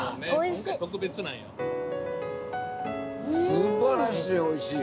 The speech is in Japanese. すばらしいおいしい！